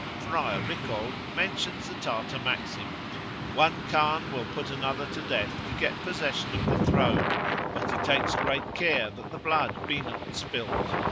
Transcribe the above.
"Friar Ricold mentions the Tartar maxim: 'One Khan will put another to death to get possession of the throne, but he takes great care that the blood be not spilt.